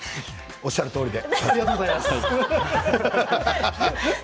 おっしゃるとおりで。